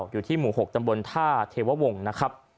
อยู่ที่หมู่๖ตำบลท่าเทววงศ์นะครับ